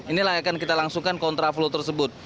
inilah yang akan kita langsungkan kontra flow tersebut